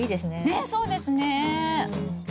ねっそうですね。